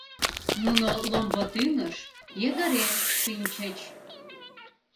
Нуно ломбо тӱҥыш йыгыре шинчыч.